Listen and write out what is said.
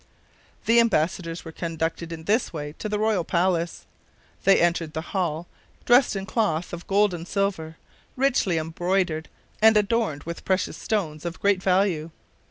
The embassadors were conducted in this way to the royal palace. They entered the hall, dressed in cloth of gold and silver, richly embroidered, and adorned with precious stones of great value.